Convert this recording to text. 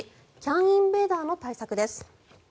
ＣＡＮインベーダーの対策です。